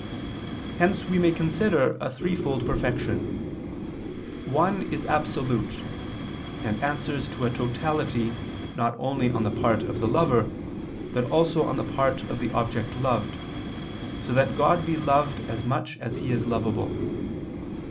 Hence we may consider a threefold perfection. One is absolute, and answers to a totality not only on the part of the lover, but also on the part of the object loved, so that God be loved as much as He is lovable.